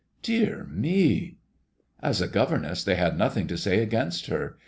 " Dear me I " ''As a governess, they had nothing to say against her.